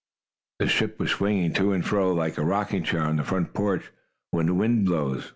The ship was swinging to and fro, like a rocking chair on the front porch when the wind blows.